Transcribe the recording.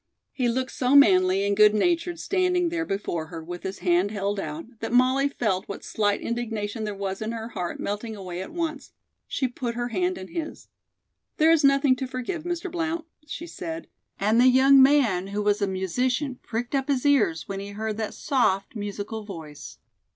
He looked so manly and good natured standing there before her with his hand held out, that Molly felt what slight indignation there was in her heart melting away at once. She put her hand in his. "There is nothing to forgive, Mr. Blount," she said, and the young man who was a musician pricked up his ears when he heard that soft, musical voice.